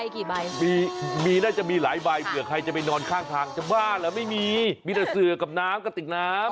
กี่ใบมีมีน่าจะมีหลายใบเผื่อใครจะไปนอนข้างทางจะบ้าเหรอไม่มีมีแต่เสือกับน้ำกระติกน้ำ